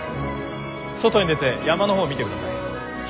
外に出て山の方を見てください。